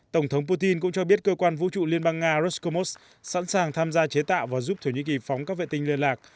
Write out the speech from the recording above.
tổng thống putin cũng cho biết cơ quan vũ trụ liên bang nga roscomos sẵn sàng tham gia chế tạo và giúp thổ nhĩ kỳ phóng các vệ tinh liên lạc